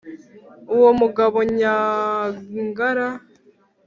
uwo mugabo nyangara,